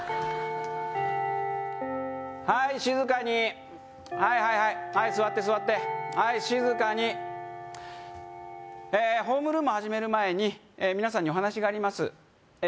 はい静かにはいはいはいはい座って座ってはい静かにええホームルーム始める前に皆さんにお話がありますええ